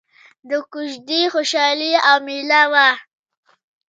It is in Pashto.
د کوژدې خوشحالي او ميله وه.